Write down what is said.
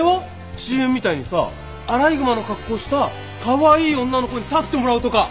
ＣＭみたいにさアライグマの格好したカワイイ女の子に立ってもらうとか。